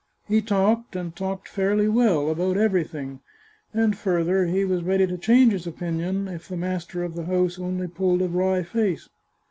He talked, and talked fairly well, about everything, and further, he was ready to change his opinion if the master of the house only pulled a wry face.